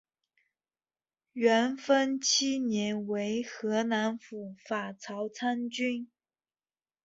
元丰七年为河南府法曹参军。